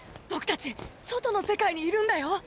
僕たち外の世界にいるんだよ？